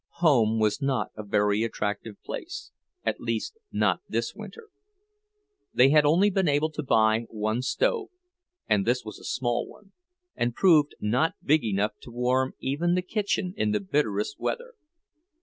Home was not a very attractive place—at least not this winter. They had only been able to buy one stove, and this was a small one, and proved not big enough to warm even the kitchen in the bitterest weather.